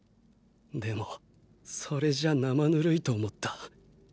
でもそれじゃ生ぬるいと思った。